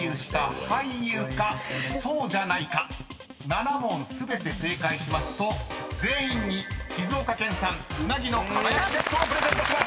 ［７問全て正解しますと全員に静岡県産うなぎのかば焼きセットをプレゼントします］